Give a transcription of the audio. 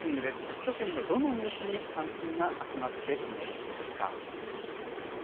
首都圏のどのニュースに関心が集まっているのでしょうか。